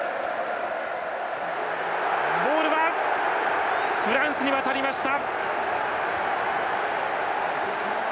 ボールはフランスに渡りました。